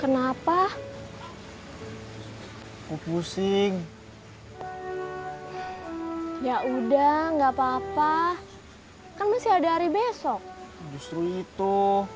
kenapa aku pusing ya udah nggak apa apa kan masih ada hari besok justru itu